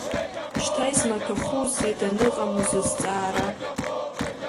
Шьҭа измаҭәахәузеи, даныҟам узызҵаара!